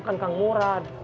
kan kang murad